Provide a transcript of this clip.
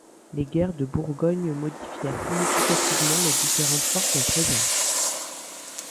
Les guerres de Bourgogne modifièrent significativement les différentes forces en présence.